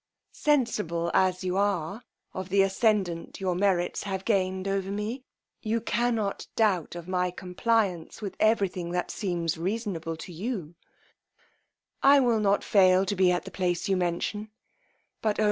"Sensible, as you are, of the ascendant your merits have gained over me, you cannot doubt of my compliance with every thing that seems reasonable to you: I will not fail to be at the place you mention; but oh!